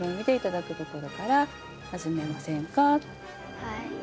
はい。